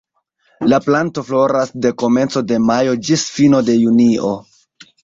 La planto floras de komenco de majo ĝis fino de junio.